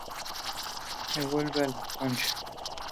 Se vuelve a la Concha.